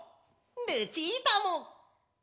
ルチータも！